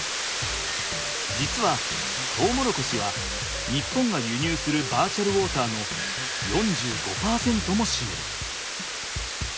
実はトウモロコシは日本が輸入するバーチャルウォーターの４５％もしめる。